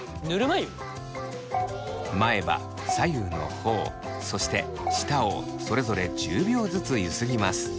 前歯左右のほおそして舌をそれぞれ１０秒ずつゆすぎます。